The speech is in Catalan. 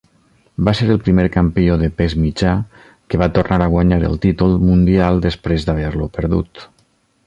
Va ser el primer campió de pes mitjà que va tornar a guanyar el títol mundial després d'haver-lo perdut.